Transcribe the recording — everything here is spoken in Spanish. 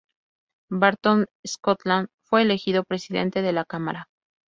Barton Scotland fue elegido Presidente de la Cámara.